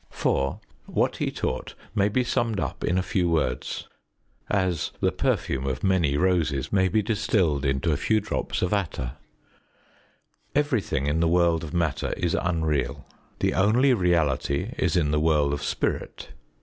4. What he taught may be summed up in a few words, as the perfume of many roses may be distilled into a few drops of attar: Everything in the world of Matter is unreal; the only reality is in the world of Spirit.